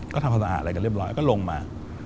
ก็ทำความสะอาดอะไรกันเรียบร้อยก็ลงมา